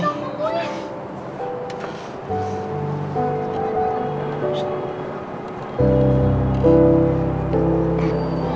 sini kita berhenti